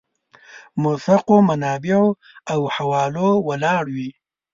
موثقو منابعو او حوالو ولاړ وي.